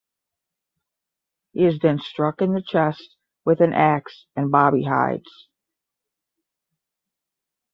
He is then struck in the chest with an axe and Bobby hides.